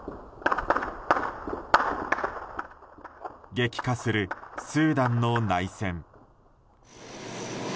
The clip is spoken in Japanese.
激化するスーダンの内戦。